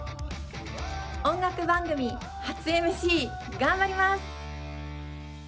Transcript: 音楽番組、初ＭＣ頑張ります！